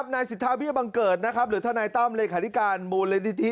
นายสิทธาวิทยาบังเกิร์ตหรือธนายตั้มเลยขายริการมูลเรทิติ